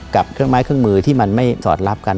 กับเครื่องไม้เครื่องมือที่มันไม่สอดรับกัน